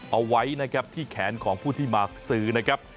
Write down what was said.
เอาไว้นะครับที่แขนของผู้ที่มาซื้อนะครับ